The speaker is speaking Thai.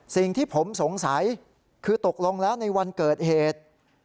สิ่งที่ผมสงสัยคือตกลงแล้วในวันเกิดเหตุ